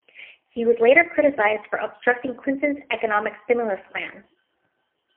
He was later criticized for obstructing Clinton's economic stimulus plan.